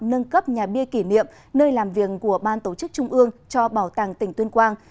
nâng cấp nhà bia kỷ niệm nơi làm việc của ban tổ chức trung ương cho bảo tàng tỉnh tuyên quang